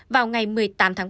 vào ngày một mươi tám tháng ba